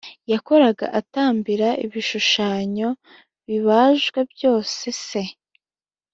yakoraga atambira ibishushanyo bibajwe byose se